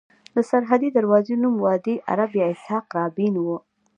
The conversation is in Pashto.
د سرحدي دروازې نوم وادي عرب یا اسحاق رابین وو.